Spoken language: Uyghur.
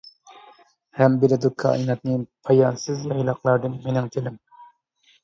ھەم بىلىدۇ كائىناتنى پايانسىز يايلاقلاردىن مېنىڭ تىلىم.